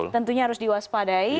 tentunya harus diwaspadai